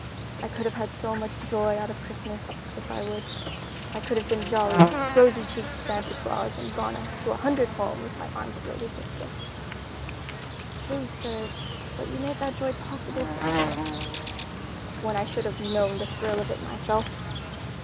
I could have had so much joy out of Christmas, if I would. I could have been a jolly, rosy cheeked Santa Claus and gone to a hundred homes, my arms loaded with gifts." "True, sir, but you made that joy possible for others." "When I should have known the thrill of it myself.